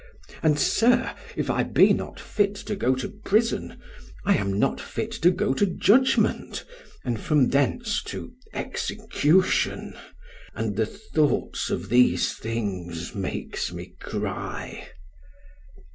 And, Sir, if I be not fit to go to prison, I am not fit to go to judgment, and from thence to execution; and the thoughts of these things makes me cry.'